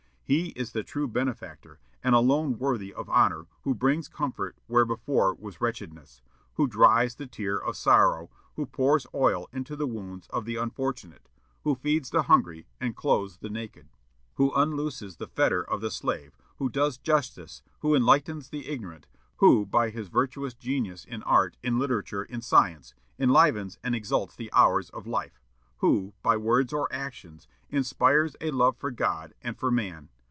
He is the true benefactor, and alone worthy of honor, who brings comfort where before was wretchedness; who dries the tear of sorrow; who pours oil into the wounds of the unfortunate; who feeds the hungry, and clothes the naked; who unlooses the fetter of the slave; who does justice; who enlightens the ignorant; who, by his virtuous genius in art, in literature, in science, enlivens and exalts the hours of life; who, by words or actions, inspires a love for God and for man.